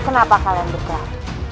kenapa kalian bukan